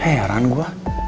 hei haran gue